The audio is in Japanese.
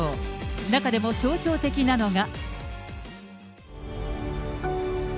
中でも象徴的なのが。